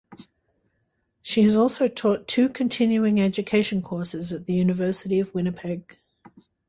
She has also taught two continuing education courses at the University of Winnipeg.